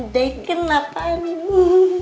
daikun apaan ini